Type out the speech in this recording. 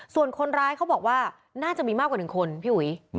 ส่วนคนร้ายเขาบอกว่าน่าจะมีมากกว่า๑คนพี่อุ๋ย